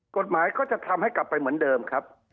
กฎหมายก็จะทำให้กลับไปเหมือนเดิมครับ